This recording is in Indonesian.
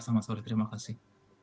selamat sore terima kasih